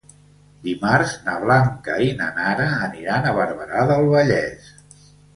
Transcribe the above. Dimarts na Blanca i na Nara aniran a Barberà del Vallès.